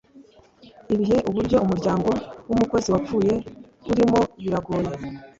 Ibihe uburyo umuryango w’umukozi wapfuye urimo biragoye